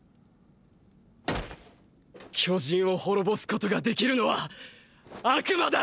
巨人を滅ぼすことができるのは悪魔だ！！